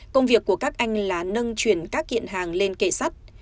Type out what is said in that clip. công việc của các anh là nâng chuyển các kiện hàng lên kệ sắt